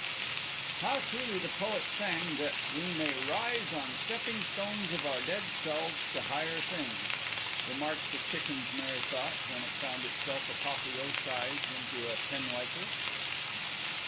"How truly the Poet sang that: 'we may rise on stepping stones of our dead selves to higher things!'" remarked the Chicken's Merrythought, when it found itself apotheosised into a Penwiper.